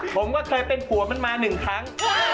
ผมก็เคยเป็นผัวมันมาหนึ่งครั้ง